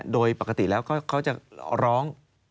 โดยปกติแล้วเขาจะร้อง